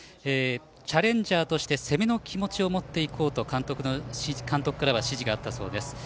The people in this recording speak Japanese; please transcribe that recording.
チャレンジャーとして攻めの気持ちを持っていこうということが監督からは指示があったそうです。